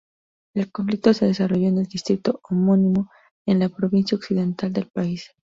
El conflicto se desarrolló en el distrito homónimo en la provincia Occidental del país.